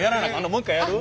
もう一回やる？